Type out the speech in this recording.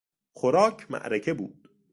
خوراک معرکه بود.